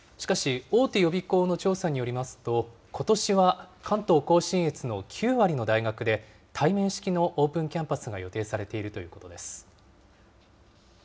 しかし、大手予備校の調査によりますと、ことしは関東甲信越の９割の大学で、対面式のオープンキャンパスが予定されているということです。